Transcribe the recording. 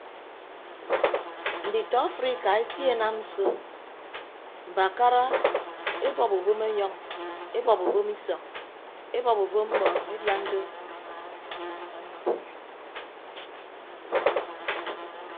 Nditọ afrika etie enam so mbakara ebọp ubom enyọñ ebọp ubom isọñ ebọp ubom mmọọñ edian do.